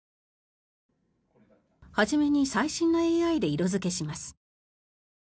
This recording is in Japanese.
初めに最新のＡＩで色付けします。